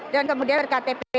dan kemudian berkat tpdki